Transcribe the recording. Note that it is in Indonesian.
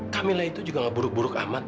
kamilah itu juga nggak buruk buruk amat